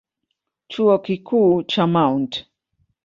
Chuo Kikuu cha Mt.